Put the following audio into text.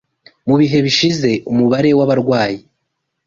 Mu bihe bishize, umubare w’abarwayi